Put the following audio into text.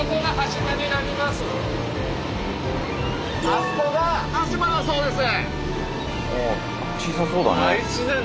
あそこが端島だそうです。